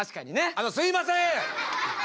あのすいません！